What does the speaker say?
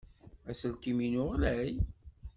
Aselkim-inu ɣlay.